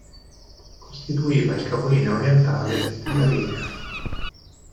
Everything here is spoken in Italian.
Costituiva il capolinea orientale della linea.